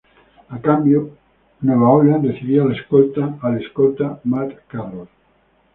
A cambio New Orleans recibía al escolta Matt Carroll.